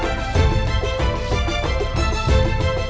aku sangat jauh dari istana